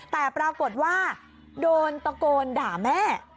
แต่ปรากฏว่าโดนตะโกนด่าแม่